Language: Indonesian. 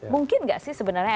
mungkinkah sih sebenarnya